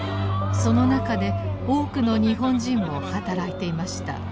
その中で多くの日本人も働いていました。